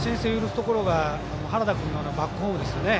ところが原田君のバックホームですよね